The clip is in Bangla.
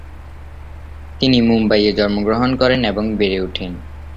তিনি মুম্বাইয়ে জন্মগ্রহণ করেন এবং বেড়ে ওঠেন।